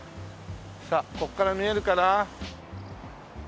さあここから見えるかな？